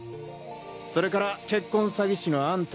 それから結婚詐欺師のアンタ。